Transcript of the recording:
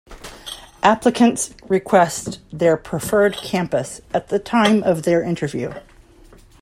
Applicants request their preferred campus at the time of their interview.